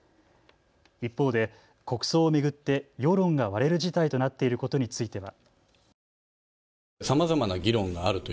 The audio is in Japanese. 一方で国葬を巡って世論が割れる事態となっていることについては。